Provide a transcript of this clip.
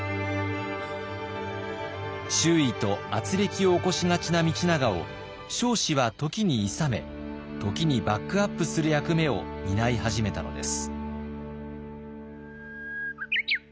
周囲とあつれきを起こしがちな道長を彰子は時にいさめ時にバックアップする役目を担い始めたのです。